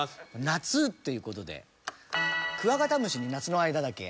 夏っていう事でクワガタムシに夏の間だけ。